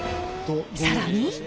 更に。